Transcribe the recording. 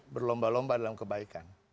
berlomba lomba dalam kebaikan